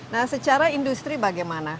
nah secara industri bagaimana